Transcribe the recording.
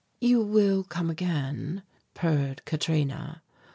"You will come again?" purred Katrina.